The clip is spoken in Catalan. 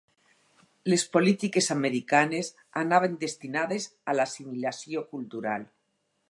Les polítiques americanes anaven destinades a l’assimilació cultural.